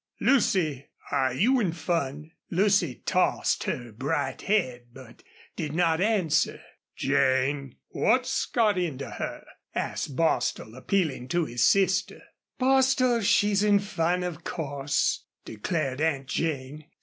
Lucy, are you in fun?" Lucy tossed her bright head, but did not answer. "Jane, what's got into her?" asked Bostil, appealing to his sister. "Bostil, she's in fun, of course," declared Aunt Jane.